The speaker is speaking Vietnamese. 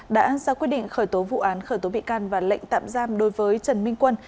đã ra quyết định khởi tố vụ án khởi tố bị can và lệnh tạm giam đối với trần minh quân